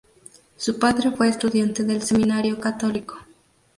Su padre fue estudiante del Seminario Católico.